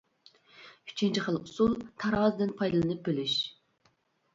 ئۈچىنچى خىل ئۇسۇل، تارازىدىن پايدىلىنىپ بۆلۈش.